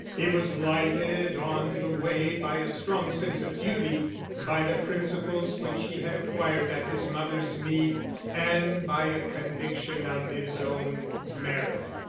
He was lighted on the way by a strong Sense of Duty, by the Principles which he had acquired at his Mother's Knee, and by a Conviction of his own Merit.